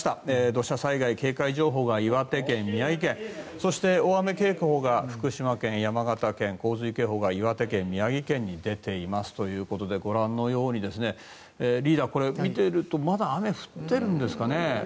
土砂災害警戒情報が岩手県、宮城県そして、大雨警報が福島県、山形県洪水警報が福島県、宮城県に出ていますということでご覧のようにリーダー、見ているとまだ雨が降っているんですかね。